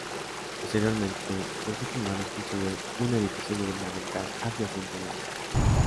Posteriormente, los otomanos construyeron un edificio gubernamental adyacente a la mezquita.